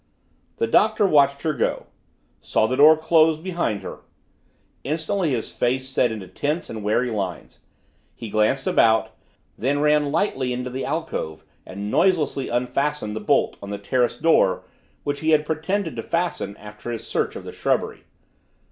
The Doctor watched her go saw the door close behind her. Instantly his face set into tense and wary lines. He glanced about then ran lightly into the alcove and noiselessly unfastened the bolt on the terrace door which he had pretended to fasten after his search of the shrubbery.